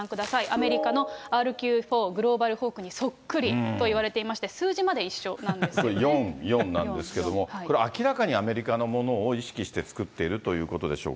アメリカのＲＱ４グローバルホークにそっくりと言われていまして、４、４なんですけども、これ、明らかにアメリカのものを意識して作っているということでしょう